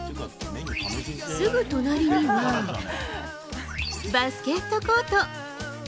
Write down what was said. すぐ隣にはバスケットコート。